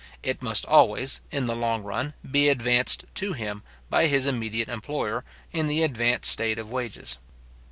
It must always, in the long run, be advanced to him by his immediate employer, in the advanced state of wages.